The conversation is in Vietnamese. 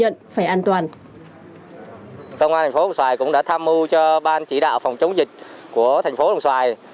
công an thành phố đồng xoài cũng đã tham mưu cho ban chỉ đạo phòng chống dịch của thành phố đồng xoài